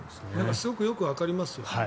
すごくよくわかりますよ。